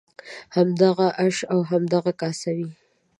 همدغه آش او همدغه کاسه وي.